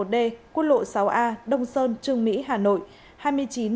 hai nghìn chín trăm linh một d quốc lộ sáu a đông sơn trường mỹ hà nội